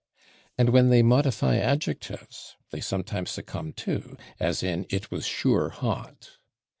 And when they modify adjectives they sometimes succumb, too, as in "it was /sure/ hot."